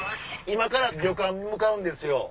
今から旅館向かうんですよ